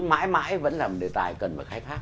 mãi mãi vẫn là một đề tài cần phải khai thác